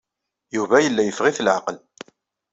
Yuba yella yeffeɣ-it leɛqel.